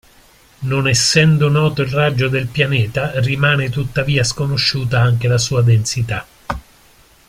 Non essendo noto il raggio del pianeta rimane tuttavia sconosciuta anche la sua densità.